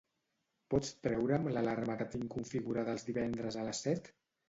Pots treure'm l'alarma que tinc configurada els divendres a les set?